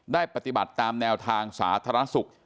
ได้ปฏิบัติตามแนวทางสาธารณสุข